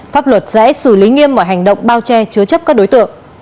pháp luật sẽ xử lý nghiêm mọi hành động bao che chứa chấp các đối tượng